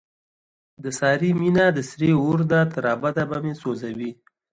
د سارې مینه د سرې اورده، تر ابده به مې سو ځوي.